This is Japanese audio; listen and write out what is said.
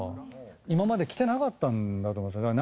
今まで来てなかったんだと思うんですよね。